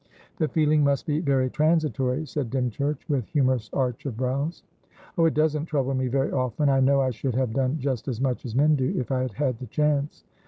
"The feeling must be very transitory," said Dymchurch, with humorous arch of brows. "Oh, it doesn't trouble me very often. I know I should have done just as much as men do, if I had had the chance."